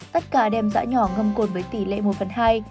tất cả đem dã nhỏ ngâm cột với tỷ lệ một phần hai